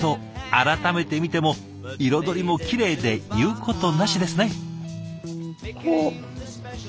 改めて見ても彩りもきれいで言うことなしですね！